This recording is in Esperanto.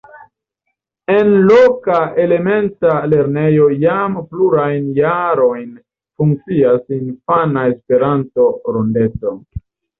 En loka elementa lernejo jam plurajn jarojn funkcias infana Esperanto-rondeto.